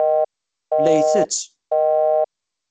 La itett.